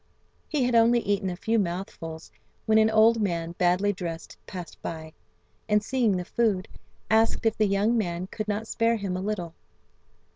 He had only eaten a few mouthfuls when an old man badly dressed passed by, and seeing the food, asked if the young man could not spare him a little.